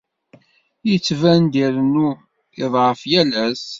Yettban-d irennu iḍeεεef yal ass.